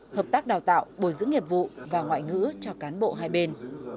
hợp tác đào tạo bồi dưỡng nghiệp vụ và ngoại ngữ cho cán bộ hai bên